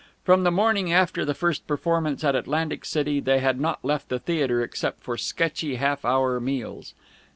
From the morning after the first performance at Atlantic City, they had not left the theatre except for sketchy half hour meals.